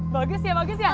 bagus ya bagus ya